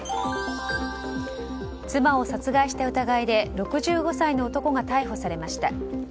妻を殺害した疑いで６５歳の男が逮捕されました。